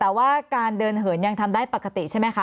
แต่ว่าการเดินเหินยังทำได้ปกติใช่ไหมคะ